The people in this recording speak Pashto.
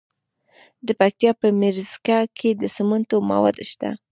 د پکتیا په میرزکه کې د سمنټو مواد شته.